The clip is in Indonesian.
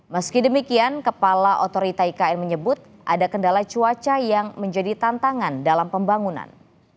meski demikian kepala otorita ikn menyebut ada kendala cuaca yang menjadi tantangan dalam pembangunan